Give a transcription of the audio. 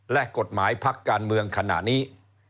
และกฎหมายพักการเมืองขณะนี้